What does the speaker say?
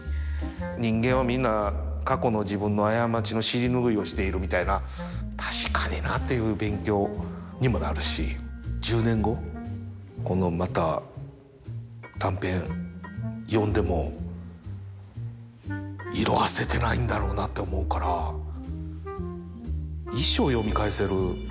人間はみんな過去の自分の過ちの尻ぬぐいをしているみたいな確かになという勉強にもなるし１０年後このまた短編読んでも色あせてないんだろうなって思うから一生読み返せる。